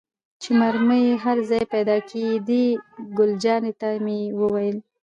چې مرمۍ یې هر ځای پيدا کېدې، ګل جانې ته مې وویل.